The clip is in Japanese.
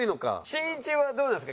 しんいちはどうですか？